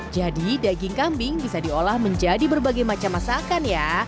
jadi daging kambing bisa diolah menjadi berbagai macam masakan ya